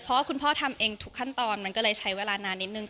เพราะว่าคุณพ่อทำเองทุกขั้นตอนมันก็เลยใช้เวลานานนิดนึง